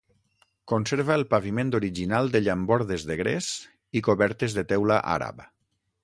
Conserva el paviment original de llambordes de gres i cobertes de teula àrab.